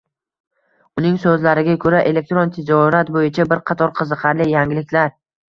Uning so'zlariga ko'ra, elektron tijorat bo'yicha bir qator qiziqarli yangiliklar.